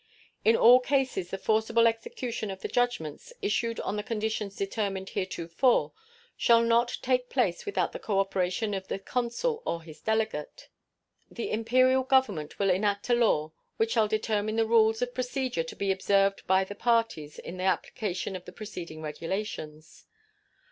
In all cases the forcible execution of the judgments, issued on the conditions determined heretofore, shall not take place without the cooperation of the consul or of his delegate. The Imperial Government will enact a law which shall determine the rules of procedure to be observed by the parties in the application of the preceding regulations.